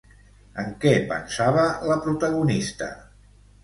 En què pensava la protagonista?